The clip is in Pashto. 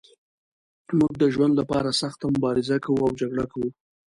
موږ د ژوند لپاره سخته مبارزه کوو او جګړه کوو.